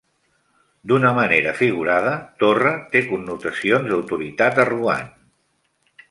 D'una manera figurada, "torre" té connotacions d'autoritat arrogant.